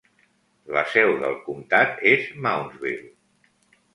La seu del comtat és Moundsville.